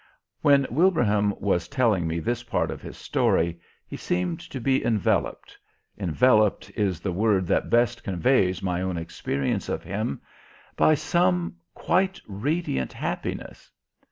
When Wilbraham was telling me this part of his story he seemed to be enveloped "enveloped" is the word that best conveys my own experience of him by some quite radiant happiness.